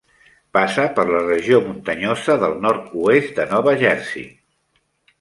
Passa per la regió muntanyosa del nord-oest de Nova Jersey.